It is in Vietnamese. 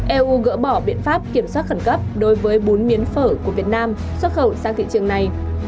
eu gỡ bỏ biện pháp kiểm soát khẩn cấp đối với bún miến phở của việt nam xuất khẩu sang thị trường này